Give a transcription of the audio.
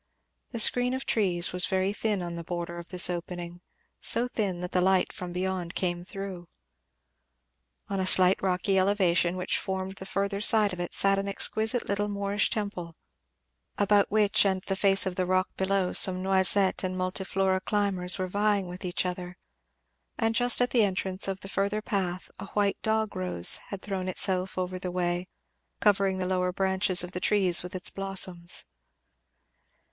The screen of trees was very thin on the border of this opening, so thin that the light from beyond came through. On a slight rocky elevation which formed the further side of it sat an exquisite little Moorish temple, about which and the face of the rock below some Noisette and Multiflora climbers were vying with each other; and just at the entrance of the further path a white dog rose had thrown itself over the way, covering the lower branches of the trees with its blossoms.